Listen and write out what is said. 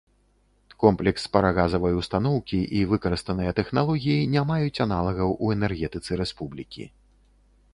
Комплекс парагазавай устаноўкі і выкарыстаныя тэхналогіі не маюць аналагаў у энергетыцы рэспублікі.